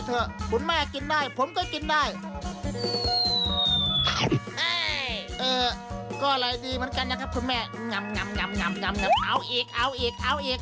เอาอีกเอาอีกเอาอีก